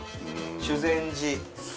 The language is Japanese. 修善寺。